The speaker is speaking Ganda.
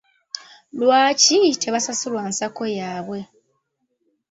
Lwaki tebasasulwa nsako yaabwe.